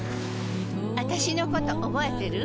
あたしのこと覚えてる？